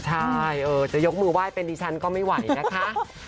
ใช่จะยกมือไหว้เป็นดิฉันก็ไม่ไหวนะคะ